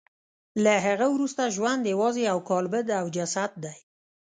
له هغه وروسته ژوند یوازې یو کالبد او جسد دی